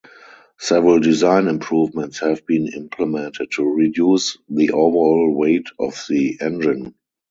Several design improvements have been implemented to reduce the overall weight of the engine.